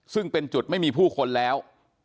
ซึ่งเป็นจุดไม่มีผู้คนแล้ว